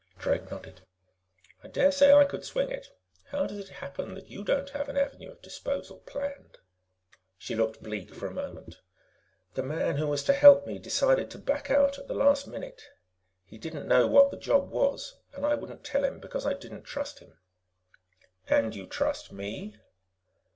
Drake nodded. "I dare say I could swing it. How does it happen that you don't have an avenue of disposal planned?" She looked bleak for a moment. "The man who was to help me decided to back out at the last minute. He didn't know what the job was, and I wouldn't tell him because I didn't trust him." "And you trust me?"